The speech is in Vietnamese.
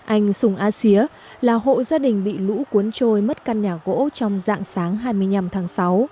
anh sùng a xía là hộ gia đình bị lũ cuốn trôi mất căn nhà gỗ trong dạng sáng hai mươi năm tháng sáu